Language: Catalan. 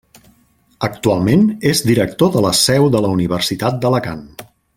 Actualment és director de la Seu de la Universitat d'Alacant.